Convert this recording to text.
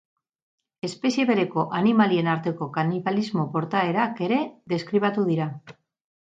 Espezie bereko animalien arteko kanibalismo-portaerak ere deskribatu dira.